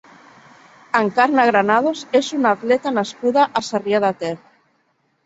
Encarna Granados és una atleta nascuda a Sarrià de Ter.